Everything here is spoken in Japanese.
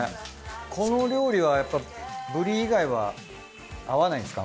この料理はやっぱブリ以外は合わないんですか？